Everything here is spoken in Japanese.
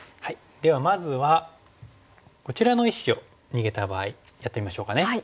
ではまずはこちらの１子を逃げた場合やってみましょうかね。